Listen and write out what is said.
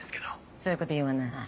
そういうこと言わない。